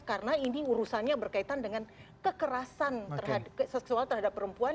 karena ini urusannya berkaitan dengan kekerasan seksual terhadap perempuan